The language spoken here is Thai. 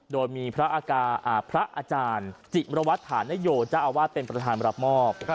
โดยมีพระอาจารย์จิมรวัตถานโยเจ้าอาวาสเป็นประธานรับมอบ